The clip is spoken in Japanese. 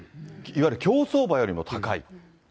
いわゆる競走馬よりも高い。